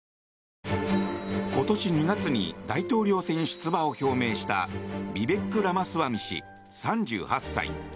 今年２月に大統領選出馬を表明したビベック・ラマスワミ氏３８歳。